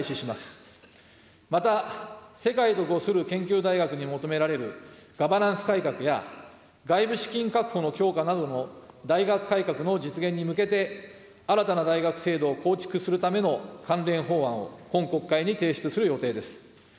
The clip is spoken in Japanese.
また、世界とごする研究大学に求められるガバナンス改革や、外部資金確保の強化などの大学改革の実現に向けて、新たな大学制度を構築するための関連法案を、今国会に提出する予定です。